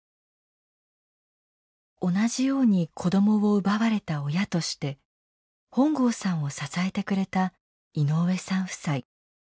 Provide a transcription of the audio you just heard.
同じように子どもを奪われた親として本郷さんを支えてくれた井上さん夫妻。